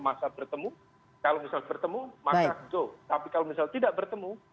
masa bertemu kalau misal bertemu